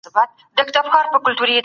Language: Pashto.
سياسي بنسټونه بايد خپلواک وي.